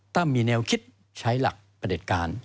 มีแนวคิดใช้หลักประเด็จการ